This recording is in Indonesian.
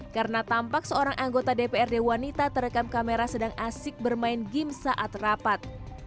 karena tampak seorang anggota dprd wanita terekam kamera sedang asik bermain game saat rapat